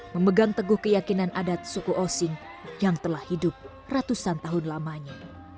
memegang teguh keyakinan adat suku osing yang telah hidup ratusan tahun lamanya